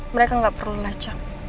mereka gak perlu ngelacak